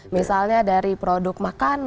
misalnya dari produk makan